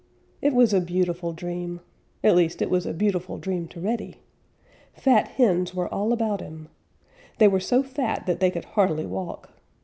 It was a beautiful dream. At least, it was a beautiful dream to Reddy. Fat hens were all about him. They were so fat that they could hardly walk.